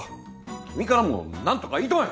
君からもなんとか言いたまえ！